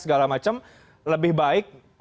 segala macam lebih baik